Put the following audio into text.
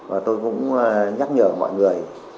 và tôi cũng nhắc nhở mọi người